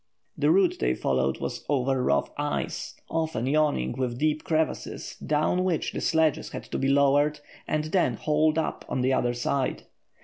The route they followed was over rough ice, often yawning with deep crevasses, down which the sledges had to be lowered and then hauled up on the other side.